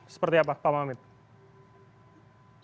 seperti apa pak mamid